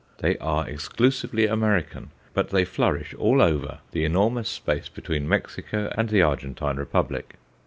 They are exclusively American, but they flourish over all the enormous space between Mexico and the Argentine Republic.